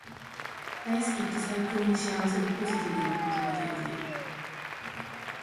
大好きって最高に幸せでポジティブな言葉だよね